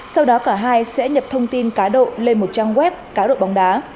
sau đó cả hai sẽ nhập thông tin cá độ lên một trang web cá độ bóng đá